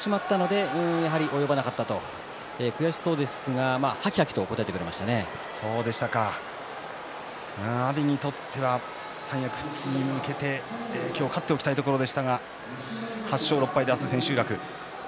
上手を引かれてしまったので及ばなかったと悔しそうでしたが阿炎にとっては三役復帰に向けて今日、勝っておきたいところでしたが８勝６敗で明日、千秋楽。